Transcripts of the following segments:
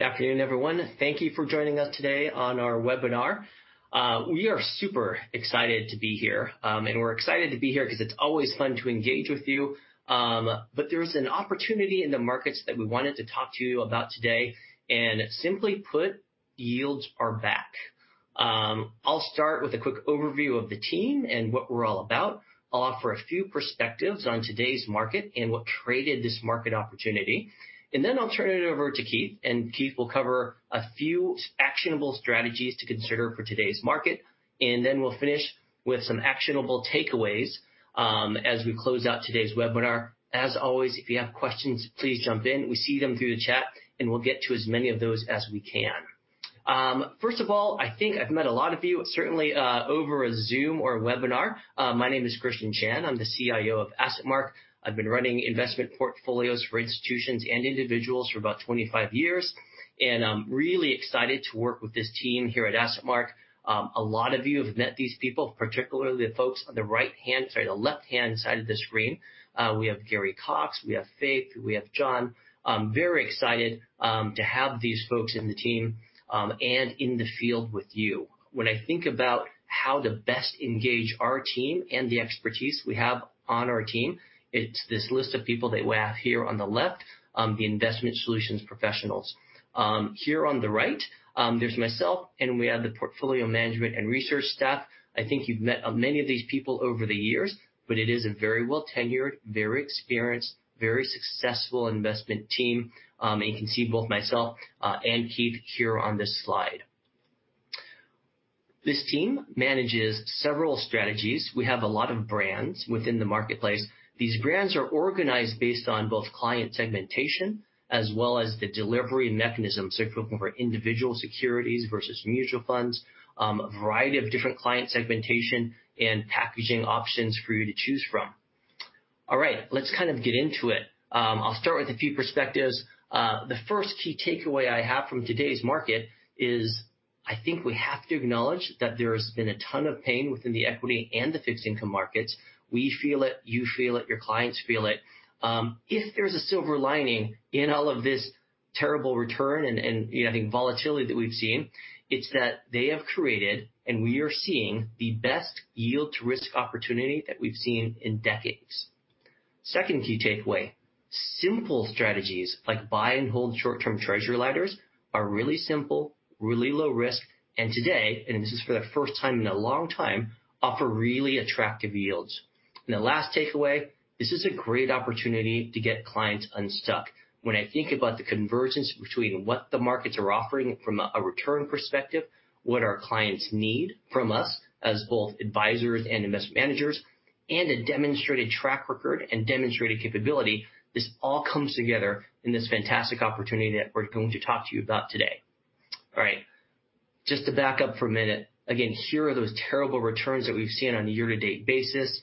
Good afternoon, everyone. Thank you for joining us today on our webinar. We are super excited to be here, and we're excited to be here 'cause it's always fun to engage with you. But there's an opportunity in the markets that we wanted to talk to you about today, and simply put, yields are back. I'll start with a quick overview of the team and what we're all about. I'll offer a few perspectives on today's market and what created this market opportunity. I'll turn it over to Keith, and Keith will cover a few actionable strategies to consider for today's market. We'll finish with some actionable takeaways, as we close out today's webinar. As always, if you have questions, please jump in. We see them through the chat and we'll get to as many of those as we can. First of all, I think I've met a lot of you, certainly, over a Zoom or a webinar. My name is Christian Chan, I'm the CIO of AssetMark. I've been running investment portfolios for institutions and individuals for about 25 years, and I'm really excited to work with this team here at AssetMark. A lot of you have met these people, particularly the folks on the left-hand side of the screen. We have Gary Zylstra, we have Faith, we have John. I'm very excited to have these folks in the team, and in the field with you. When I think about how to best engage our team and the expertise we have on our team, it's this list of people that we have here on the left, the investment solutions professionals. Here on the right, there's myself, and we have the portfolio management and research staff. I think you've met many of these people over the years, but it is a very well tenured, very experienced, very successful investment team. You can see both myself and Keith here on this slide. This team manages several strategies. We have a lot of brands within the marketplace. These brands are organized based on both client segmentation as well as the delivery mechanism. If you're looking for individual securities versus mutual funds, a variety of different client segmentation and packaging options for you to choose from. All right, let's kind of get into it. I'll start with a few perspectives. The first key takeaway I have from today's market is, I think we have to acknowledge that there's been a ton of pain within the equity and the fixed income markets. We feel it, you feel it, your clients feel it. If there's a silver lining in all of this terrible return and I think volatility that we've seen, it's that they have created, and we are seeing, the best yield to risk opportunity that we've seen in decades. Second key takeaway, simple strategies like buy and hold short-term Treasury ladders are really simple, really low risk, and today, and this is for the first time in a long time, offer really attractive yields. The last takeaway, this is a great opportunity to get clients unstuck. When I think about the convergence between what the markets are offering from a return perspective, what our clients need from us as both advisors and investment managers, and a demonstrated track record and demonstrated capability, this all comes together in this fantastic opportunity that we're going to talk to you about today. All right. Just to back up for a minute. Again, here are those terrible returns that we've seen on a year-to-date basis.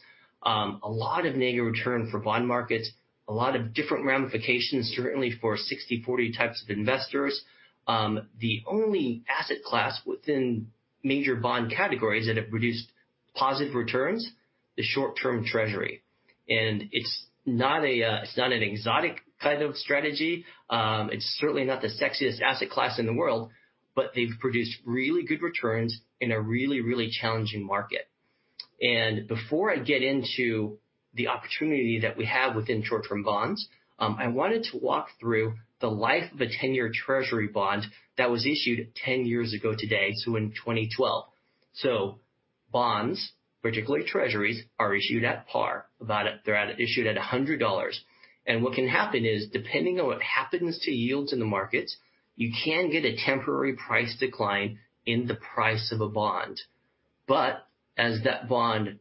A lot of negative return for bond markets. A lot of different ramifications, certainly for 60/40 types of investors. The only asset class within major bond categories that have produced positive returns, the short-term Treasury. It's not an exotic kind of strategy. It's certainly not the sexiest asset class in the world, but they've produced really good returns in a really, really challenging market. Before I get into the opportunity that we have within short-term bonds, I wanted to walk through the life of a 10-year Treasury bond that was issued 10 years ago today, so in 2012. Bonds, particularly Treasuries, are issued at par. They're issued at $100. What can happen is, depending on what happens to yields in the markets, you can get a temporary price decline in the price of a bond. But as that bond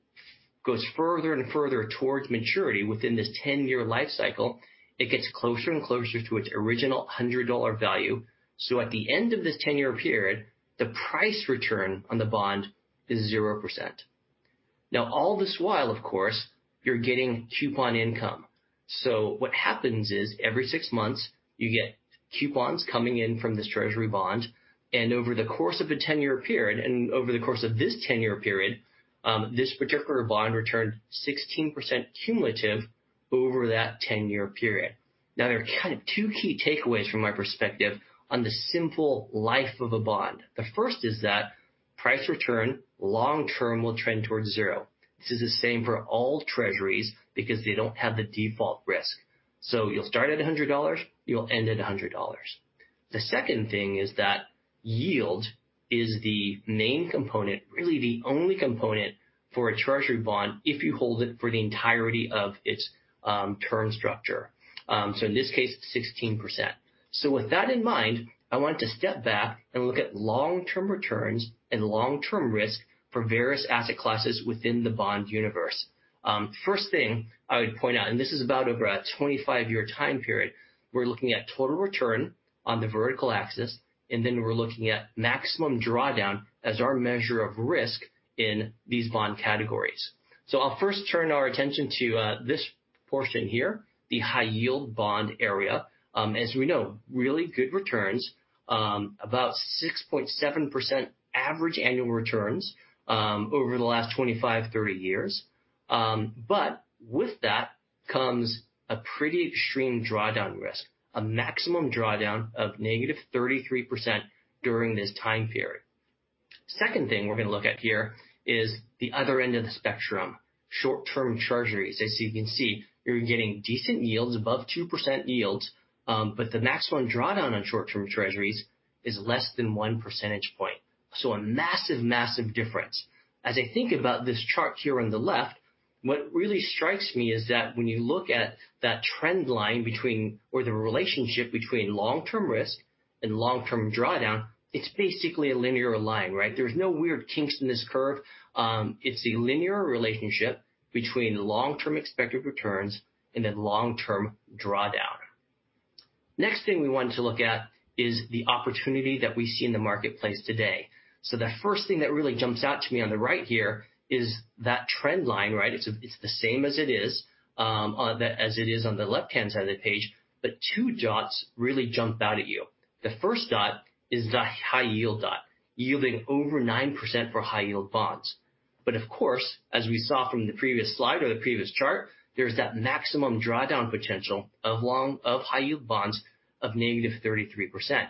goes further and further towards maturity within this 10-year life cycle, it gets closer and closer to its original $100 value. At the end of this 10-year period, the price return on the bond is 0%. Now, all this while, of course, you're getting coupon income. What happens is every six months, you get coupons coming in from this Treasury bond, and over the course of a 10-year period, this particular bond returned 16% cumulative over that 10-year period. Now, there are kind of two key takeaways from my perspective on the simple life of a bond. The first is that price return long-term will trend toward zero. This is the same for all Treasuries because they don't have the default risk. You'll start at $100, you'll end at $100. The second thing is that yield is the main component, really the only component for a Treasury bond if you hold it for the entirety of its term structure. In this case, 16%. With that in mind, I want to step back and look at long-term returns and long-term risk for various asset classes within the bond universe. First thing I would point out, and this is about over a 25-year time period, we're looking at total return on the vertical axis, and then we're looking at maximum drawdown as our measure of risk in these bond categories. I'll first turn our attention to this portion here, the high yield bond area. As we know, really good returns, about 6.7% average annual returns, over the last 25, 30 years. With that comes a pretty extreme drawdown risk, a maximum drawdown of -33% during this time period. Second thing we're gonna look at here is the other end of the spectrum, short-term Treasuries. As you can see, you're getting decent yields, above 2% yields, but the maximum drawdown on short-term Treasuries is less than 1 percentage point. A massive difference. As I think about this chart here on the left, what really strikes me is that when you look at that trend line between or the relationship between long-term risk and long-term drawdown, it's basically a linear line, right? There's no weird kinks in this curve. It's a linear relationship between long-term expected returns and then long-term drawdown. Next thing we want to look at is the opportunity that we see in the marketplace today. The first thing that really jumps out to me on the right here is that trend line, right? It's the same as it is on the As it is on the left-hand side of the page, but two dots really jumped out at you. The first dot is the high yield dot, yielding over 9% for high yield bonds. But of course, as we saw from the previous slide or the previous chart, there's that maximum drawdown potential of high yield bonds of -33%.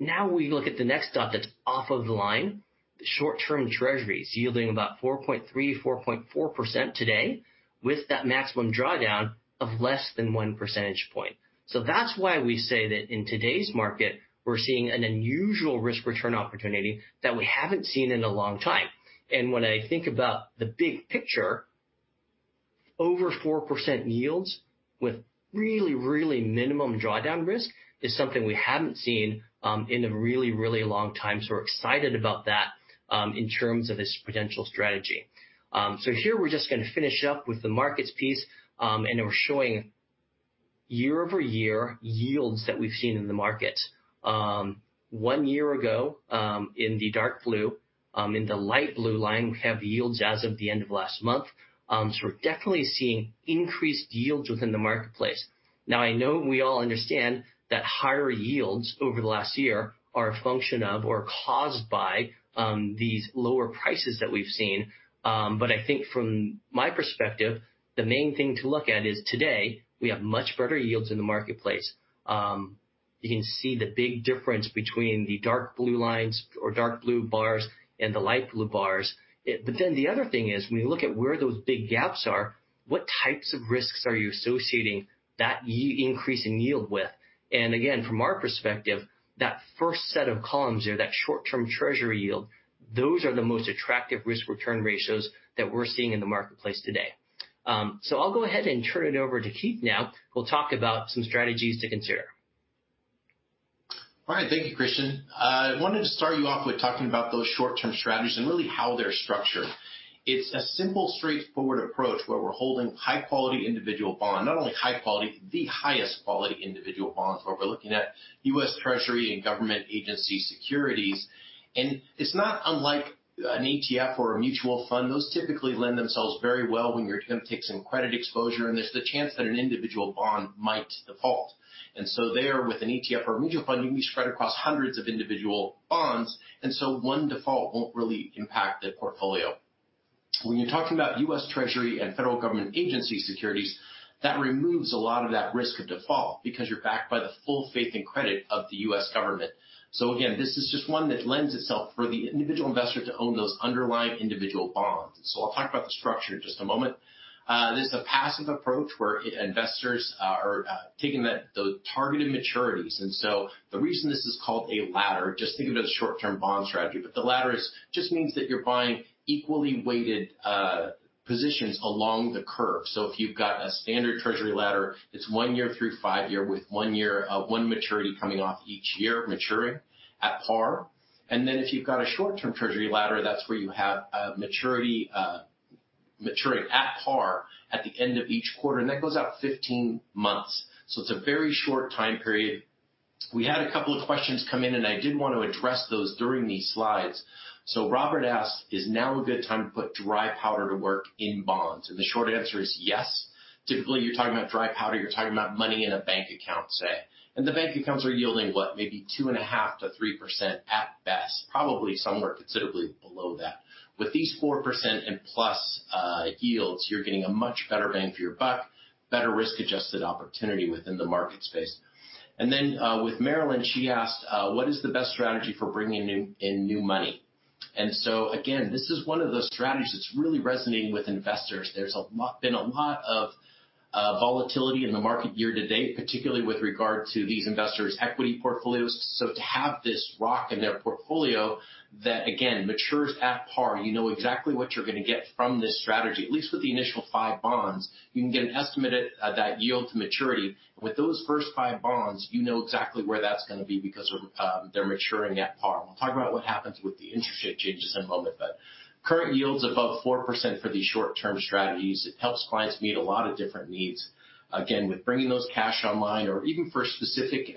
Now we look at the next dot that's off of the line, the short-term Treasuries yielding about 4.3-4.4% today with that maximum drawdown of less than one percentage point. So that's why we say that in today's market we're seeing an unusual risk return opportunity that we haven't seen in a long time. When I think about the big picture, over 4% yields with really minimum drawdown risk is something we haven't seen in a really long time. We're excited about that in terms of this potential strategy. Here we're just gonna finish up with the markets piece, and we're showing year-over-year yields that we've seen in the market. One year ago, in the dark blue. In the light blue line, we have yields as of the end of last month. We're definitely seeing increased yields within the marketplace. Now, I know we all understand that higher yields over the last year are a function of, or caused by, these lower prices that we've seen. I think from my perspective, the main thing to look at is today we have much better yields in the marketplace. You can see the big difference between the dark blue lines or dark blue bars and the light blue bars. The other thing is, when you look at where those big gaps are, what types of risks are you associating that yield increase in yield with? Again, from our perspective, that first set of columns there, that short-term Treasury yield, those are the most attractive risk-return ratios that we're seeing in the marketplace today. I'll go ahead and turn it over to Keith now, who will talk about some strategies to consider. All right. Thank you, Christian. I wanted to start you off with talking about those short-term strategies and really how they're structured. It's a simple, straightforward approach where we're holding high quality individual bond. Not only high quality, the highest quality individual bonds, where we're looking at U.S. Treasury and government agency securities. It's not unlike an ETF or a mutual fund. Those typically lend themselves very well when you're gonna take some credit exposure, and there's the chance that an individual bond might default. There, with an ETF or a mutual fund, you may spread across hundreds of individual bonds, and so one default won't really impact the portfolio. When you're talking about U.S. Treasury and federal government agency securities, that removes a lot of that risk of default because you're backed by the full faith and credit of the U.S. government. Again, this is just one that lends itself for the individual investor to own those underlying individual bonds. I'll talk about the structure in just a moment. This is a passive approach where investors are taking the targeted maturities. The reason this is called a ladder, just think of it as short-term bond strategy. The ladder is, just means that you're buying equally weighted positions along the curve. If you've got a standard Treasury ladder, it's one year through five year with one maturity coming off each year, maturing at par. If you've got a short-term Treasury ladder, that's where you have a maturity maturing at par at the end of each quarter. That goes out 15 months. It's a very short time period. We had a couple of questions come in, and I did want to address those during these slides. Robert asked, "Is now a good time to put dry powder to work in bonds?" The short answer is yes. Typically, you're talking about dry powder, you're talking about money in a bank account, say. The bank accounts are yielding what? Maybe 2.5%-3% at best, probably somewhere considerably below that. With these 4%+ yields, you're getting a much better bang for your buck, better risk-adjusted opportunity within the market space. With Marilyn, she asked, "What is the best strategy for bringing new money in?" This is one of those strategies that's really resonating with investors. There's been a lot of volatility in the market year to date, particularly with regard to these investors' equity portfolios. To have this rock in their portfolio that, again, matures at par, you know exactly what you're gonna get from this strategy. At least with the initial five bonds, you can get an estimate at that yield to maturity. With those first five bonds, you know exactly where that's gonna be because they're maturing at par. We'll talk about what happens with the interest rate changes in a moment. Current yields above 4% for these short-term strategies, it helps clients meet a lot of different needs, again, with bringing those cash online or even for specific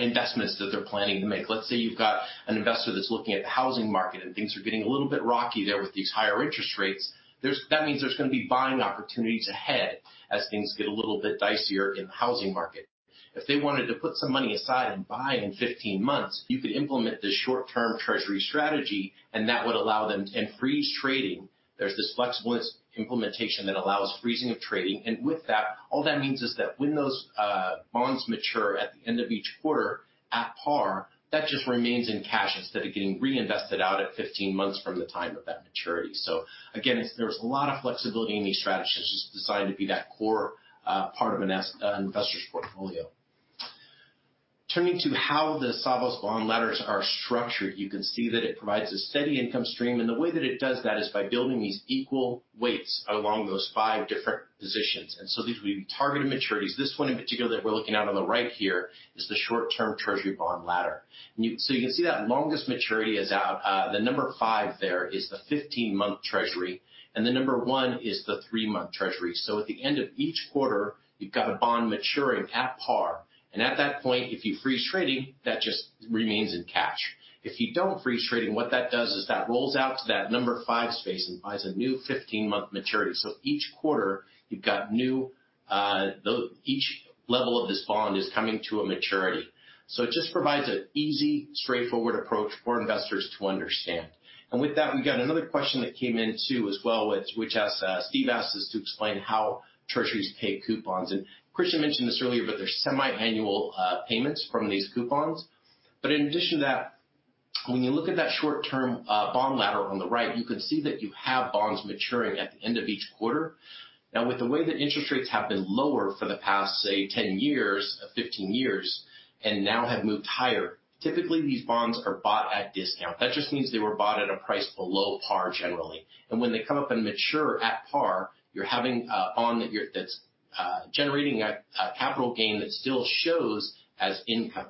investments that they're planning to make. Let's say you've got an investor that's looking at the housing market, and things are getting a little bit rocky there with these higher interest rates. That means there's gonna be buying opportunities ahead as things get a little bit dicier in the housing market. If they wanted to put some money aside and buy in 15 months, you could implement this short-term Treasury strategy, and that would allow them to freeze trading. There's this flexible implementation that allows freezing of trading, and with that, all that means is that when those bonds mature at the end of each quarter at par, that just remains in cash instead of getting reinvested out at 15 months from the time of that maturity. Again, there's a lot of flexibility in these strategies. It's designed to be that core part of an investor's portfolio. Turning to how the Savos bond ladders are structured, you can see that it provides a steady income stream, and the way that it does that is by building these equal weights along those five different positions. These will be targeted maturities. This one in particular that we're looking at on the right here is the short-term Treasury bond ladder. You can see the longest maturity is out, the number five there is the 15-month Treasury, and the number one is the three month Treasury. At the end of each quarter, you've got a bond maturing at par, and at that point, if you freeze trading, that just remains in cash. If you don't freeze trading, what that does is that rolls out to that number five space and buys a new 15-month maturity. Each quarter you've got new, Each level of this bond is coming to a maturity. It just provides an easy, straightforward approach for investors to understand. With that, we've got another question that came in, too, as well, which asks, Steve asks us to explain how Treasuries pay coupons. Christian mentioned this earlier, but they're semiannual payments from these coupons. In addition to that, when you look at that short-term bond ladder on the right, you can see that you have bonds maturing at the end of each quarter. Now, with the way that interest rates have been lower for the past, say, 10 years or 15 years and now have moved higher, typically these bonds are bought at a discount. That just means they were bought at a price below par generally. When they come up and mature at par, you're having a bond that's generating a capital gain that still shows as income.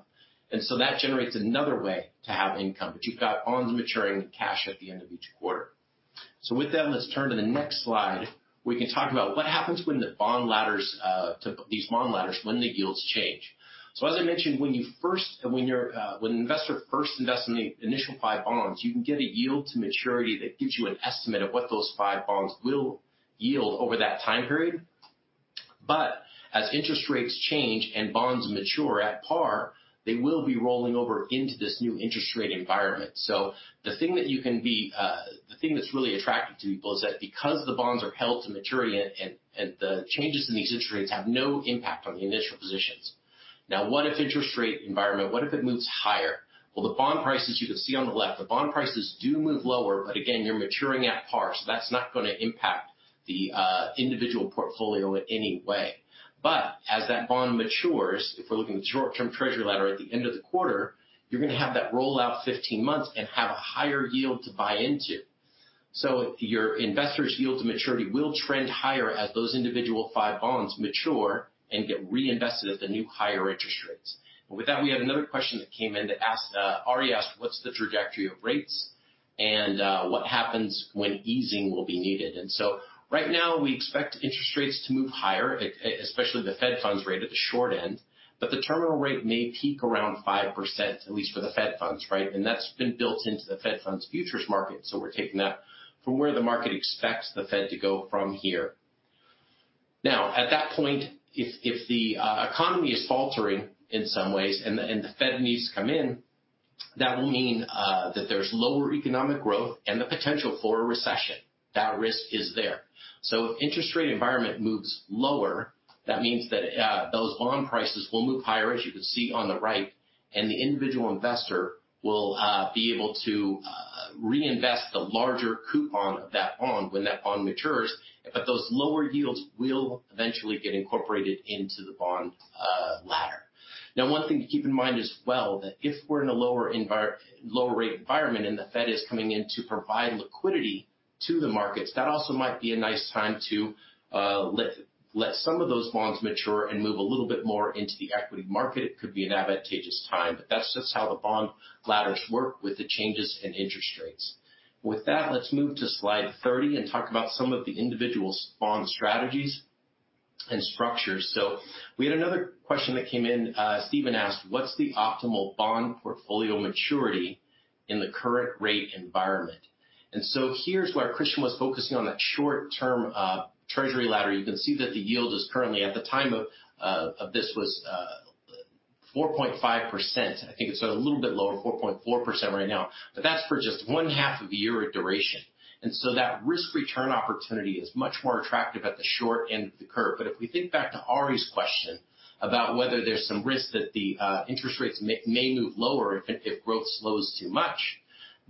That generates another way to have income, but you've got bonds maturing in cash at the end of each quarter. With that, let's turn to the next slide. We can talk about what happens to these bond ladders when the yields change. As I mentioned, when an investor first invests in the initial five bonds, you can get a yield to maturity that gives you an estimate of what those five bonds will yield over that time period. As interest rates change and bonds mature at par, they will be rolling over into this new interest rate environment. The thing that's really attractive to people is that because the bonds are held to maturity and the changes in these interest rates have no impact on the initial positions. Now, what if interest rate environment, what if it moves higher? Well, the bond prices you can see on the left, the bond prices do move lower, but again, you're maturing at par, so that's not gonna impact the individual portfolio in any way. As that bond matures, if we're looking at short-term Treasury ladder at the end of the quarter, you're gonna have that roll out 15 months and have a higher yield to buy into. Your investor's yield to maturity will trend higher as those individual five bonds mature and get reinvested at the new higher interest rates. With that, we have another question that came in that asked. Ari asked, "What's the trajectory of rates and what happens when easing will be needed?" Right now we expect interest rates to move higher, especially the fed funds rate at the short end, but the terminal rate may peak around 5%, at least for the fed funds, right? That's been built into the fed funds futures market. We're taking that from where the market expects the Fed to go from here. Now, at that point, if the economy is faltering in some ways and the Fed needs to come in, that will mean that there's lower economic growth and the potential for a recession. That risk is there. If interest rate environment moves lower, that means that those bond prices will move higher, as you can see on the right, and the individual investor will be able to reinvest the larger coupon of that bond when that bond matures, but those lower yields will eventually get incorporated into the bond ladder. Now, one thing to keep in mind as well, that if we're in a lower rate environment and the Fed is coming in to provide liquidity to the markets, that also might be a nice time to let some of those bonds mature and move a little bit more into the equity market. It could be an advantageous time. That's just how the bond ladders work with the changes in interest rates. With that, let's move to slide 30 and talk about some of the individual Savos bond strategies and structures. We had another question that came in. Steven asked, "What's the optimal bond portfolio maturity in the current rate environment?" Here's where Christian was focusing on that short-term Treasury ladder. You can see that the yield is currently four point five percent. I think it's a little bit lower, four point four percent right now, but that's for just one half of a year of duration. That risk return opportunity is much more attractive at the short end of the curve. If we think back to Ari's question about whether there's some risk that the interest rates may move lower if growth slows too much,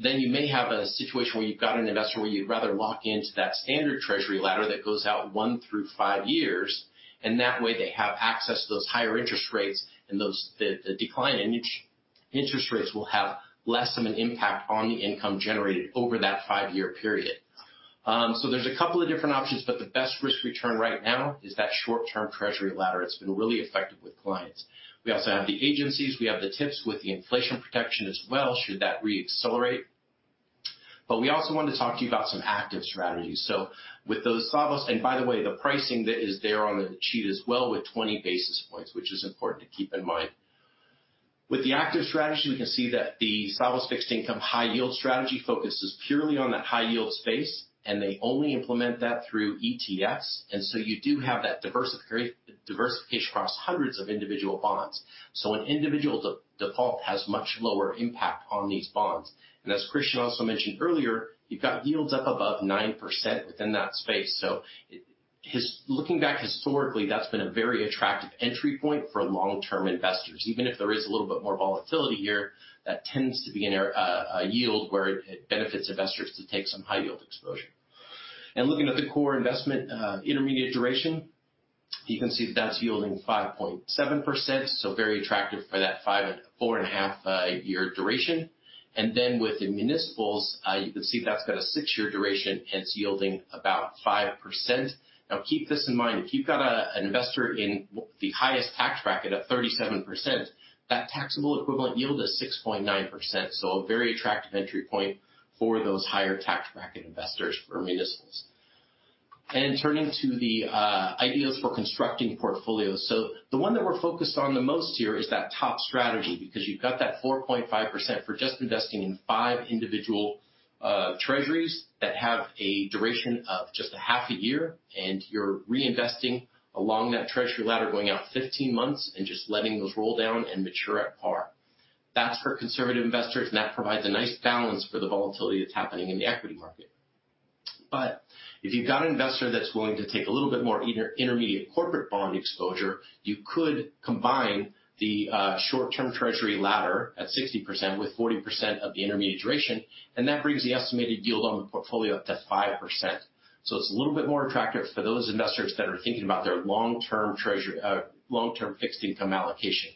then you may have a situation where you've got an investor where you'd rather lock into that standard Treasury ladder that goes out one through five years, and that way they have access to those higher interest rates and the decline in interest rates will have less of an impact on the income generated over that five year period. There's a couple of different options, but the best risk-return right now is that short-term Treasury ladder. It's been really effective with clients. We also have the agencies, we have the TIPS with the inflation protection as well, should that reaccelerate. We also wanted to talk to you about some active strategies. With those Savos, and by the way, the pricing that is there on the sheet as well with 20 basis points, which is important to keep in mind. With the active strategy, we can see that the Savos fixed income high yield strategy focuses purely on that high yield space, and they only implement that through ETFs. You do have that diversification across hundreds of individual bonds. An individual default has much lower impact on these bonds. And as Christian also mentioned earlier, you've got yields up above 9% within that space. Looking back historically, that's been a very attractive entry point for long-term investors. Even if there is a little bit more volatility here, that tends to be a yield where it benefits investors to take some high yield exposure. Looking at the core investment, intermediate duration, you can see that's yielding 5.7%, so very attractive for that 4.5-year duration. Then with the municipals, you can see that's got a six year duration, hence yielding about 5%. Now, keep this in mind. If you've got an investor in the highest tax bracket of 37%, that tax-equivalent yield is 6.9%, so a very attractive entry point for those higher tax bracket investors for municipals. Turning to the ideas for constructing portfolios. The one that we're focused on the most here is that top strategy, because you've got that 4.5% for just investing in five individual Treasuries that have a duration of just half a year, and you're reinvesting along that Treasury ladder going out 15 months and just letting those roll down and mature at par. That's for conservative investors, and that provides a nice balance for the volatility that's happening in the equity market. If you've got an investor that's willing to take a little bit more intermediate corporate bond exposure, you could combine the short-term Treasury ladder at 60% with 40% of the intermediate duration, and that brings the estimated yield on the portfolio up to 5%. It's a little bit more attractive for those investors that are thinking about their long-term treasury, long-term fixed income allocation.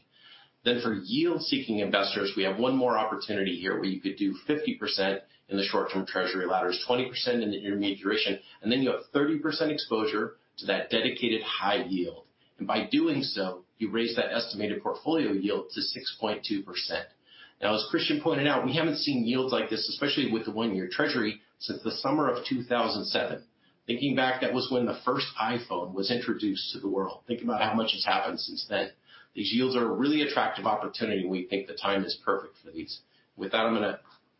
For yield-seeking investors, we have one more opportunity here where you could do 50% in the short-term treasury ladders, 20% in the intermediate duration, and then you have 30% exposure to that dedicated high yield. By doing so, you raise that estimated portfolio yield to 6.2%. Now, as Christian pointed out, we haven't seen yields like this, especially with the one-year treasury, since the summer of 2007. Thinking back, that was when the first iPhone was introduced to the world. These yields are a really attractive opportunity, and we think the time is perfect for these. With that, I'm gonna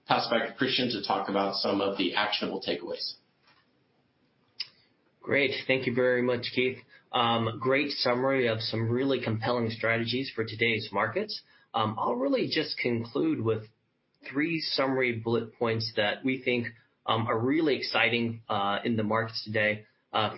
pass it back to Christian to talk about some of the actionable takeaways. Great. Thank you very much, Keith. Great summary of some really compelling strategies for today's markets. I'll really just conclude with three summary bullet points that we think are really exciting in the markets today.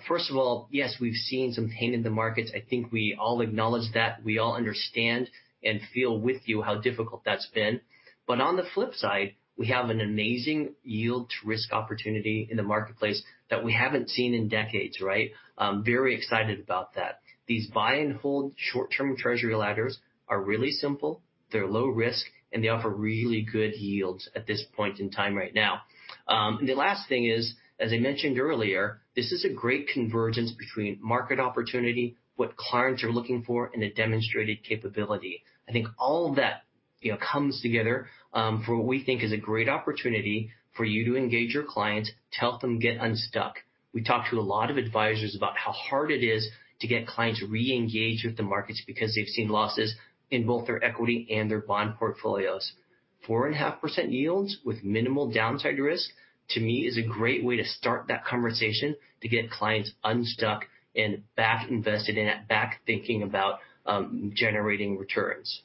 First of all, yes, we've seen some pain in the markets. I think we all acknowledge that. We all understand and feel with you how difficult that's been. On the flip side, we have an amazing yield to risk opportunity in the marketplace that we haven't seen in decades, right? I'm very excited about that. These buy and hold short-term Treasury ladders are really simple, they're low risk, and they offer really good yields at this point in time right now. The last thing is, as I mentioned earlier, this is a great convergence between market opportunity, what clients are looking for, and a demonstrated capability. I think all of that, you know, comes together for what we think is a great opportunity for you to engage your clients, to help them get unstuck. We talked to a lot of advisors about how hard it is to get clients re-engaged with the markets because they've seen losses in both their equity and their bond portfolios. 4.5% yields with minimal downside risk, to me, is a great way to start that conversation to get clients unstuck and back invested and back thinking about generating returns.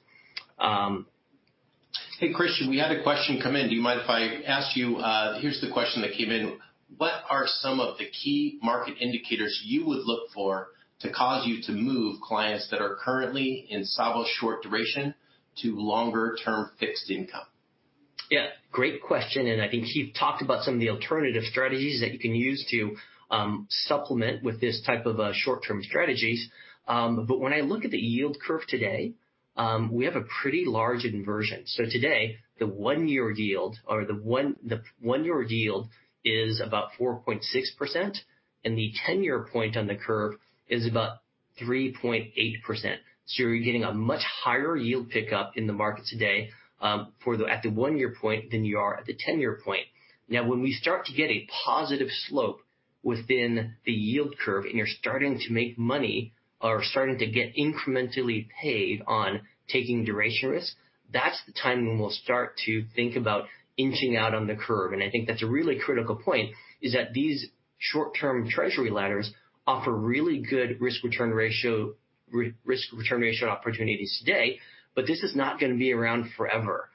Hey, Christian, we had a question come in. Do you mind if I ask you, here's the question that came in: What are some of the key market indicators you would look for to cause you to move clients that are currently in Savos short duration to longer term fixed income? Yeah, great question, and I think he talked about some of the alternative strategies that you can use to supplement with this type of short-term strategies. When I look at the yield curve today, we have a pretty large inversion. Today, the one year yield is about 4.6%, and the 10 year point on the curve is about 3.8%. You're getting a much higher yield pickup in the market today at the one year point than you are at the 10 year point. Now, when we start to get a positive slope within the yield curve, and you're starting to make money or starting to get incrementally paid on taking duration risk, that's the time when we'll start to think about inching out on the curve. I think that's a really critical point, is that these short-term Treasury ladders offer really good risk-return ratio opportunities today, but this is not gonna be around forever.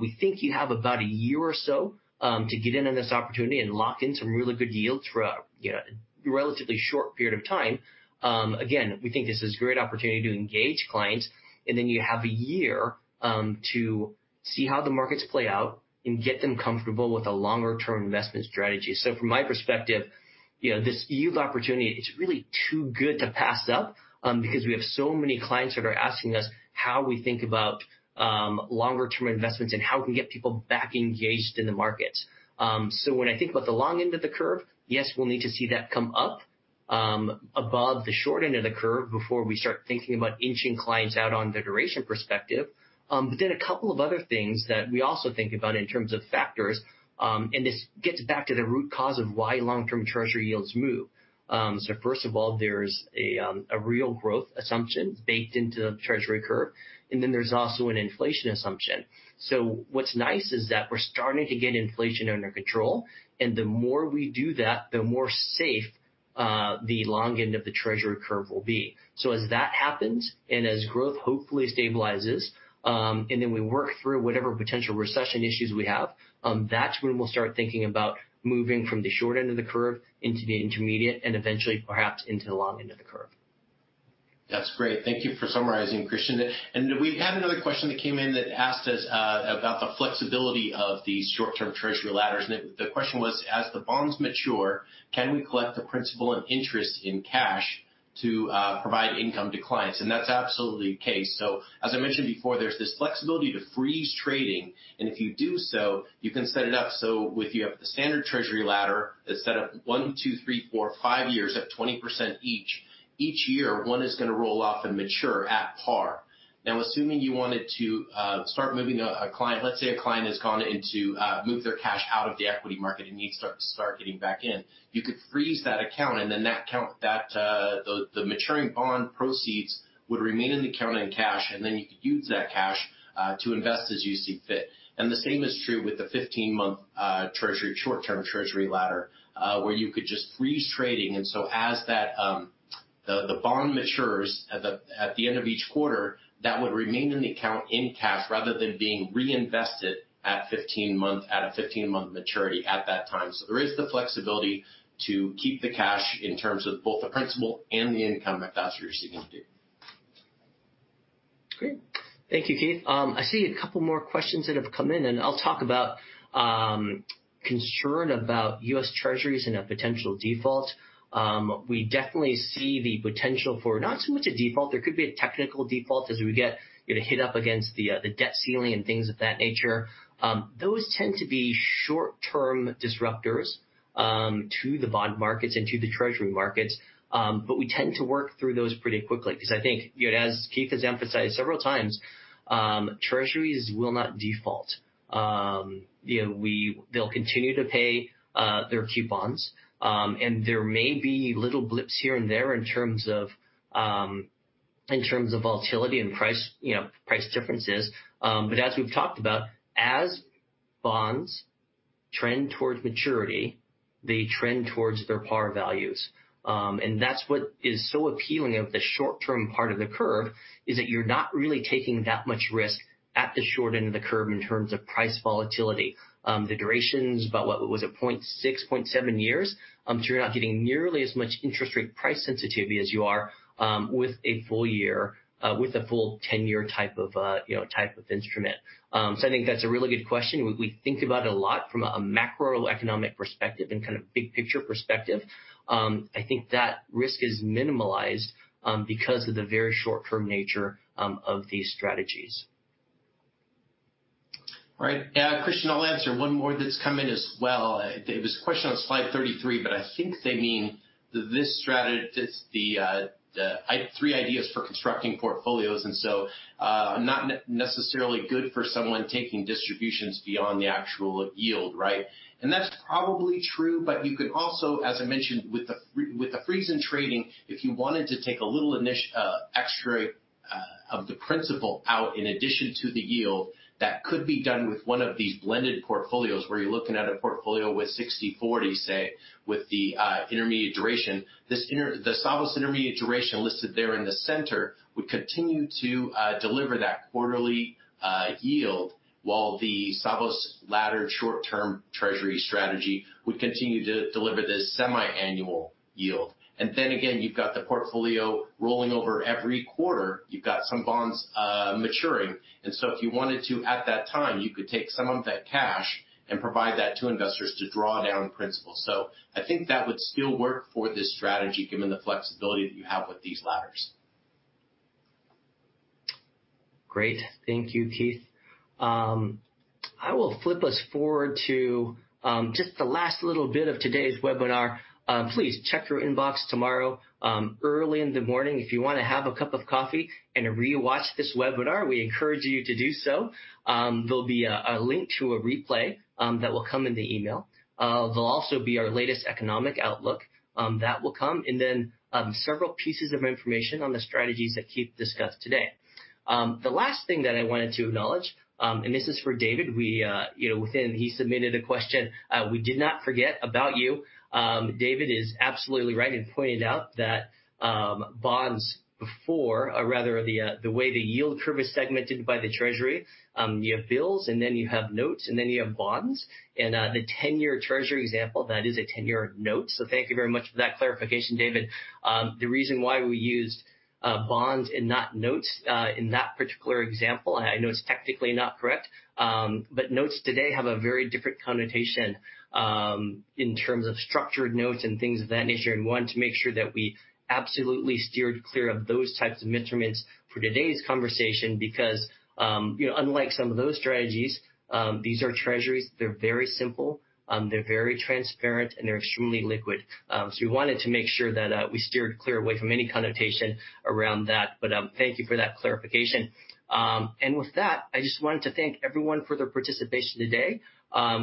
We think you have about a year or so to get in on this opportunity and lock in some really good yields for a you know relatively short period of time. Again, we think this is a great opportunity to engage clients, and then you have a year to see how the markets play out and get them comfortable with a longer-term investment strategy. From my perspective, you know, this yield opportunity is really too good to pass up because we have so many clients that are asking us how we think about longer term investments and how we can get people back engaged in the markets. When I think about the long end of the curve, yes, we'll need to see that come up above the short end of the curve before we start thinking about inching clients out on the duration perspective. A couple of other things that we also think about in terms of factors, and this gets back to the root cause of why long-term Treasury yields move. First of all, there's a real growth assumption baked into the Treasury curve, and then there's also an inflation assumption. What's nice is that we're starting to get inflation under control, and the more we do that, the more safe the long end of the Treasury curve will be. As that happens, and as growth hopefully stabilizes, and then we work through whatever potential recession issues we have, that's when we'll start thinking about moving from the short end of the curve into the intermediate and eventually perhaps into the long end of the curve. That's great. Thank you for summarizing, Christian. We had another question that came in that asked us about the flexibility of these short-term Treasury ladders. The question was, "As the bonds mature, can we collect the principal and interest in cash to provide income to clients?" That's absolutely the case. As I mentioned before, there's this flexibility to freeze trading, and if you do so, you can set it up so if you have the standard Treasury ladder that's set up one, two, three, four, five years at 20% each. Each year, one is gonna roll off and mature at par. Now, assuming you wanted to start moving a client. Let's say a client has gone in to move their cash out of the equity market and needs to start getting back in. You could freeze that account, and then that account, the maturing bond proceeds would remain in the account in cash, and then you could use that cash to invest as you see fit. The same is true with the 15-month Treasury, short-term Treasury ladder, where you could just freeze trading. As that bond matures at the end of each quarter, that would remain in the account in cash rather than being reinvested at a 15-month maturity at that time. There is the flexibility to keep the cash in terms of both the principal and the income that it's receiving. Great. Thank you, Keith. I see a couple more questions that have come in, and I'll talk about concern about U.S. Treasuries and a potential default. We definitely see the potential for not so much a default. There could be a technical default as we get a hit up against the debt ceiling and things of that nature. Those tend to be short-term disruptors to the bond markets and to the Treasury markets. We tend to work through those pretty quickly 'cause I think, you know, as Keith has emphasized several times, Treasuries will not default. You know, they'll continue to pay their coupons. There may be little blips here and there in terms of volatility and price, you know, price differences. As we've talked about, as bonds trend towards maturity, they trend towards their par values. That's what is so appealing of the short-term part of the curve, is that you're not really taking that much risk at the short end of the curve in terms of price volatility. The duration's about, what was it? 0.6, 0.7 years. You're not getting nearly as much interest rate price sensitivity as you are with a full 10-year type of, you know, instrument. I think that's a really good question. We think about it a lot from a macroeconomic perspective and kind of big picture perspective. I think that risk is minimized because of the very short-term nature of these strategies. All right. Christian, I'll answer one more that's come in as well. It was a question on slide 33, but I think they mean this strategy, the three ideas for constructing portfolios. Not necessarily good for someone taking distributions beyond the actual yield, right? That's probably true, but you could also, as I mentioned, with the freeze in trading, if you wanted to take a little extra of the principal out in addition to the yield, that could be done with one of these blended portfolios where you're looking at a portfolio with 60/40, say, with the intermediate duration. The Savos intermediate duration listed there in the center would continue to deliver that quarterly yield while the Savos laddered short-term Treasury strategy would continue to deliver this semi-annual yield. Then again, you've got the portfolio rolling over every quarter. You've got some bonds maturing. If you wanted to, at that time, you could take some of that cash and provide that to investors to draw down principal. I think that would still work for this strategy given the flexibility that you have with these ladders. Great. Thank you, Keith. I will flip us forward to just the last little bit of today's webinar. Please check your inbox tomorrow early in the morning. If you wanna have a cup of coffee and re-watch this webinar, we encourage you to do so. There'll be a link to a replay that will come in the email. There'll also be our latest economic outlook that will come, and then several pieces of information on the strategies that Keith discussed today. The last thing that I wanted to acknowledge, and this is for David. We, you know, he submitted a question. We did not forget about you. David is absolutely right in pointing out that the way the yield curve is segmented by the Treasury, you have bills, and then you have notes, and then you have bonds. The 10-year Treasury example, that is a 10-year note. Thank you very much for that clarification, David. The reason why we used bonds and not notes in that particular example, I know it's technically not correct, but notes today have a very different connotation in terms of structured notes and things of that nature. Wanted to make sure that we absolutely steered clear of those types of instruments for today's conversation because you know, unlike some of those strategies, these are Treasuries. They're very simple, they're very transparent, and they're extremely liquid. We wanted to make sure that we steered clear away from any connotation around that. Thank you for that clarification. With that, I just wanted to thank everyone for their participation today.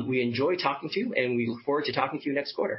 We enjoy talking to you, and we look forward to talking to you next quarter.